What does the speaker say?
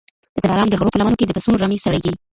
د دلارام د غرو په لمنو کي د پسونو رمې څرېږي